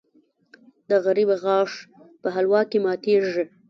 د غریب غاښ په حلوا کې ماتېږي.